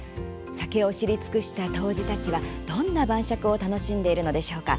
酒を知り尽くした杜氏たちはどんな晩酌を楽しんでいるのでしょうか。